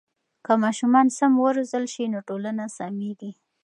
که ماشومان سم و روزل سي نو ټولنه سمیږي.